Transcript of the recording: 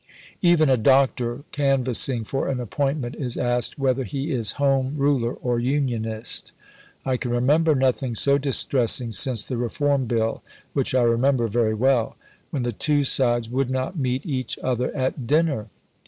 Even a doctor, canvassing for an appointment, is asked whether he is Home Ruler or Unionist. I can remember nothing so distressing since the Reform Bill, which I remember very well, when the two sides would not meet each other at dinner."